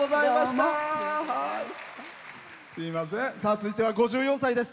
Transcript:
続いては５４歳です。